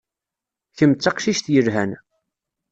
Kemm d taqcict yelhan.